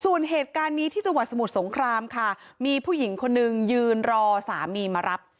ส่วนเหตุการณ์นี้ที่จังหวัดสมุทรสงครามค่ะมีผู้หญิงคนนึงยืนรอสามีมารับ